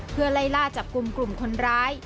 เพื่อไล่ล่าจับกลุ่มกลุ่มคนร้าย